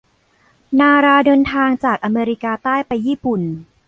นาราเดินทางจากอเมริกาใต้ไปญี่ปุ่น